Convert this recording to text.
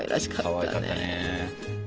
かわいかったね。